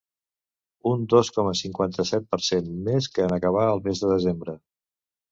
Un dos coma cinquanta-set per cent més que en acabar el mes de desembre.